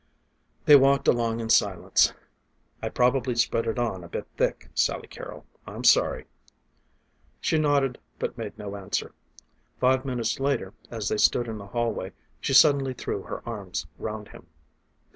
They walked along in silence. "I probably spread it on a bit thick Sally Carrol. I'm sorry." She nodded but made no answer. Five minutes later as they stood in the hallway she suddenly threw her arms round him.